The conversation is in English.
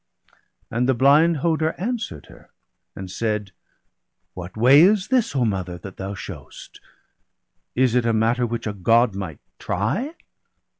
And the blind Hoder answer'd her, and said :—' What way is this, O mother, that thou shew'st ? Is it a matter which a God might try?'